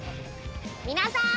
皆さん！